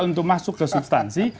untuk masuk ke substansi